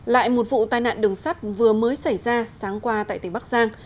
lại một vụ tai nạn đường sắt vừa mới xảy ra sáng qua tại tỉnh bắc giang